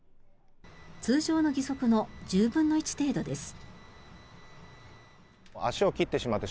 通常の義足の１０分の１程度です。